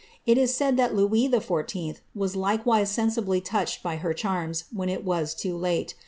It is said that Louis XIV. was likewise sensibly touched by her charms, when it was too late.